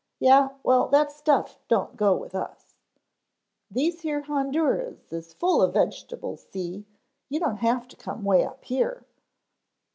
"Yeh, well that stuff don't go with us. These here Honduras is full of vegetables, see, you don't have to come way up here."